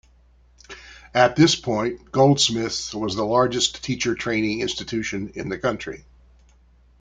At this point Goldsmiths was the largest teacher training institution in the country.